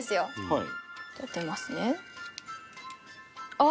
はい。